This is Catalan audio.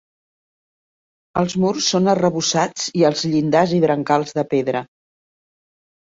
Els murs són arrebossats i els llindars i brancals de pedra.